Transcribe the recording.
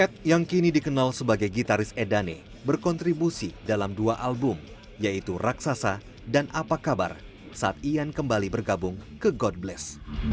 et yang kini dikenal sebagai gitaris edane berkontribusi dalam dua album yaitu raksasa dan apa kabar saat ian kembali bergabung ke god bless